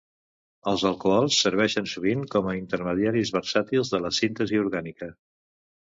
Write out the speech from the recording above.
Els alcohols serveixen sovint com a intermediaris versàtils en la síntesi orgànica.